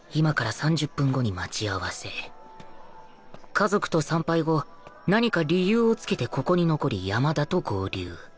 家族と参拝後何か理由をつけてここに残り山田と合流